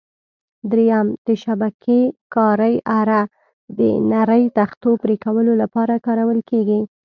درېیم: د شبکې کارۍ اره: د نرۍ تختو پرېکولو لپاره کارول کېږي.